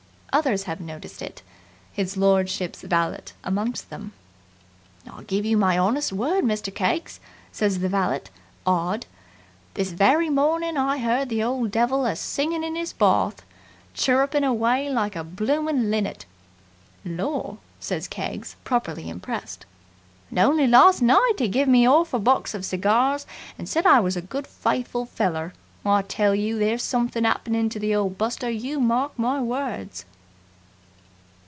Others have noticed it, his lordship's valet amongst them. "I give you my honest word, Mr. Keggs," says the valet, awed, "this very morning I 'eard the old devil a singing in 'is barth! Chirruping away like a blooming linnet!" "Lor!" says Keggs, properly impressed. "And only last night 'e gave me 'arf a box of cigars and said I was a good, faithful feller! I tell you, there's somethin' happened to the old buster you mark my words!"